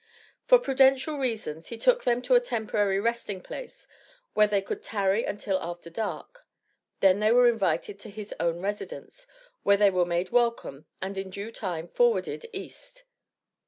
For prudential reasons he took them to a temporary resting place, where they could tarry until after dark; then they were invited to his own residence, where they were made welcome, and in due time forwarded East.